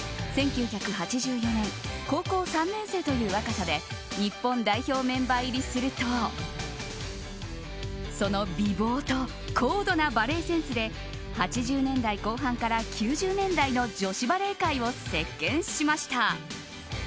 １９８４年高校３年生という若さで日本代表メンバー入りするとその美貌と高度なバレーセンスで８０年代後半から９０年代の女子バレー界を席巻しました。